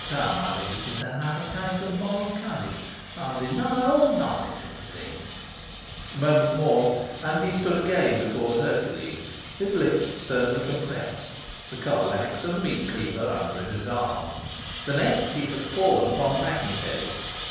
O, come, I think this is another case of moral courage! I'll deny all knowledge of the thing.' A moment more, and he stood again before the Hercules, his lips sternly compressed, the coal axe and the meat cleaver under his arm. The next, he had fallen upon the packing case.